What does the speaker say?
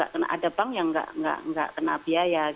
tidak ada bank yang tidak kena biaya